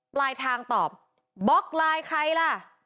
ปลายทางตอบบล็อกไลน์ใครล่ะ